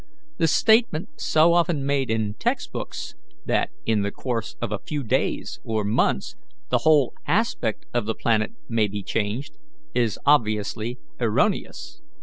The statement so often made in text books, that in the course of a few days or months the whole aspect of the planet may be changed, is obviously erroneous.